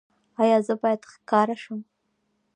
ایا زه باید ښکاره شم؟